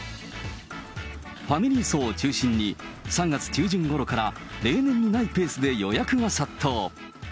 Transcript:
ファミリー層を中心に、３月中旬ごろから、例年にないペースで予約が殺到。